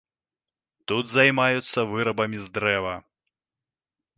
Тут займаюцца вырабамі з дрэва.